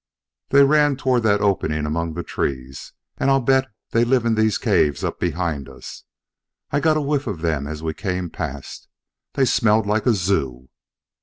"They ran toward that opening among those trees. And I'll bet they live in these caves up here behind us. I got a whiff of them as we came past: they smelled like a zoo."